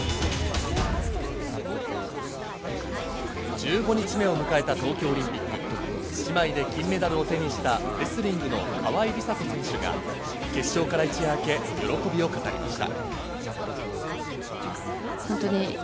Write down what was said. １５日目を迎えた東京オリンピック、姉妹で金メダルを手にしたレスリングの川井梨紗子選手が決勝から一夜明け、喜びを語りました。